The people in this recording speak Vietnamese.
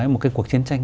một cái cuộc chiến tranh